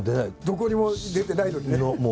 どこにも出てないのにね。